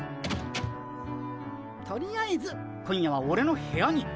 とりあえず今夜はオレの部屋に。